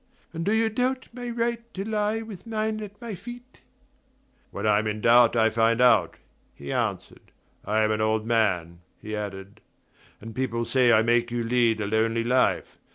"And do you doubt my right to lie with mine at my feet?" "When I'm in doubt I find out," he answered. "I am an old man," he added, "and people say I make you lead a lonely life.